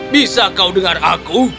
bisa kau dengar aku